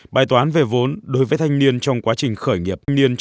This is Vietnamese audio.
bài toán về vốn đối với thanh niên trong quá trình khởi nghiệp